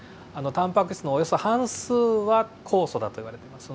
タンパク質のおよそ半数は酵素だといわれてます。